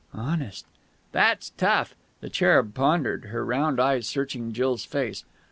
"Honest." "That's tough." The cherub pondered, her round eyes searching Jill's face.